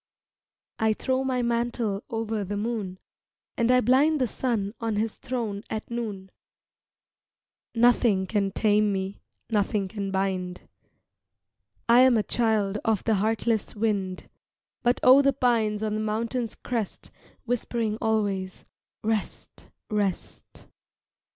I throw my mantle over the moon And I blind the sun on his throne at noon, Nothing can tame me, nothing can bind, I am a child of the heartless wind But oh the pines on the mountain's crest Whispering always, "Rest, rest."